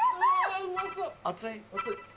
熱い？